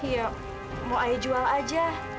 ya mau ayo jual aja